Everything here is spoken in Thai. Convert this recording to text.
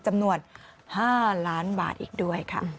จำนวน๕ล้านบาทอีกด้วยค่ะ